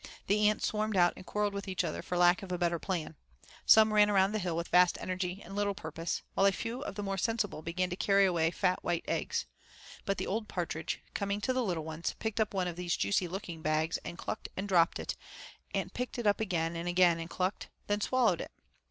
The ants swarmed out and quarreled with each other for lack of a better plan. Some ran around the hill with vast energy and little purpose, while a few of the more sensible began to carry away fat white eggs. But the old partridge, coming to the little ones, picked up one of these juicy looking bags and clucked and dropped it, and picked it up again and again and clucked, then swallowed it.